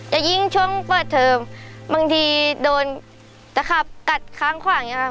แล้วยิ่งช่วงเปิดเทอมบางทีโดนตะขับกัดข้างขวางอย่างนี้ค่ะ